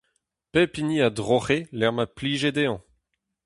Pep hini a droc'he 'lec'h ma plije dezhañ.